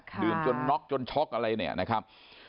ดื่มจนน็อกจนช็อกอะไรเนี่ยนะครับ